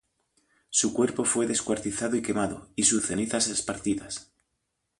Su cuerpo fue descuartizado y quemado, y sus cenizas esparcidas.